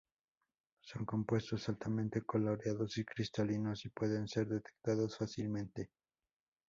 Son compuestos altamente coloreados y cristalinos, y pueden ser detectados fácilmente.